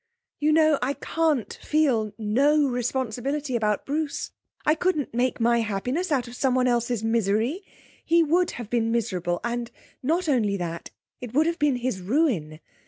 You know, I can't feel no responsibility about Bruce. I couldn't make my happiness out of someone else's misery. He would have been miserable and, not only that, it would have been his ruin.